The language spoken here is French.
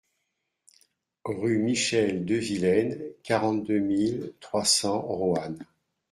Rue Michel Devillaine, quarante-deux mille trois cents Roanne